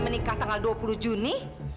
menikah tanggal dua puluh juni